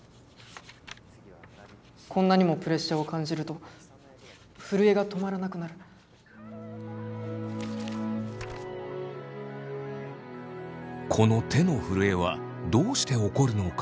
こんなにもプレッシャーを感じると震えが止まらなくなるこの手の震えはどうして起こるのか？